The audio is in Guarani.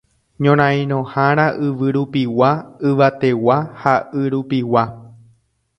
ñorairõhára yvyrupigua, yvategua ha yrupigua.